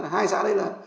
hai xã đấy là